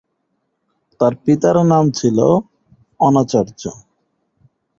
তার পিতার নাম ছিল অনাচার্য।